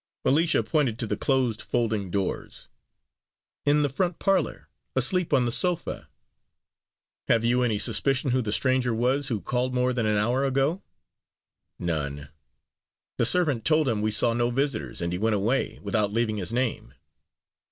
Alicia pointed to the closed folding doors. "In the front parlor; asleep on the sofa." "Have you any suspicion who the stranger was who called more than an hour ago?" "None. The servant told him we saw no visitors, and he went away, without leaving his name."